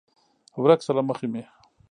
ورک شه له مخې مې!